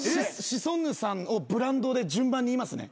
シソンヌさんをブランドで順番に言いますね。